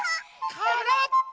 からっぽ。